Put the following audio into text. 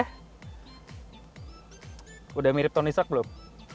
sudah mirip tony sack belum